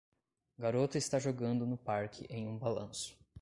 Garota está jogando no parque em um balanço.